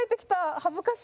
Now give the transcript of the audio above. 恥ずかしい。